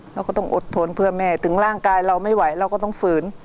เราก็ต้องอดทนเพื่อแม่ถึงร่างกายเราไม่ไหวเราก็ต้องฝืน